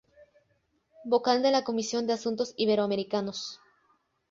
Vocal de la comisión de asuntos iberoamericanos.